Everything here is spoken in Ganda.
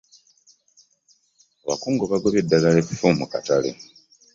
Abakugu bagobye eddagala effu ku katale.